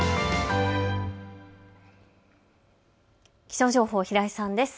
気象情報、平井さんです。